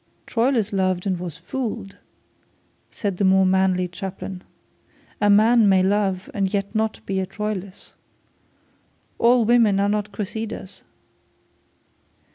'Troilus loved and he was fooled,' said the more manly chaplain. 'A man may love and yet not be a Troilus. All women are not Cressids.'